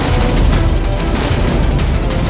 hai baik baik baik baik baik baik